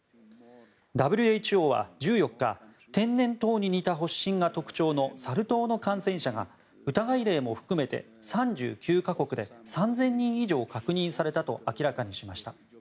ＷＨＯは１４日天然痘に似た発疹が特徴のサル痘の感染者が疑い例も含めて３９か国で３０００人以上確認されたと明らかにしました。